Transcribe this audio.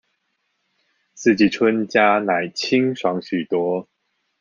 四季春加奶清爽許多